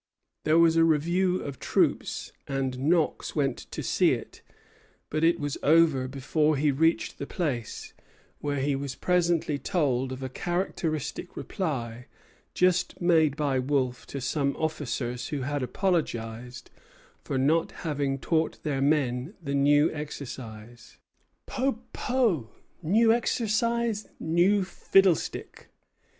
There was a review of troops, and Knox went to see it; but it was over before he reached the place, where he was presently told of a characteristic reply just made by Wolfe to some officers who had apologized for not having taught their men the new exercise. "Poh, poh! new exercise new fiddlestick.